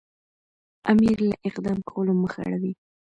امیر له اقدام کولو مخ اړوي.